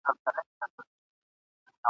اوس له دي بوډۍ لکړي چاته په فریاد سمه ..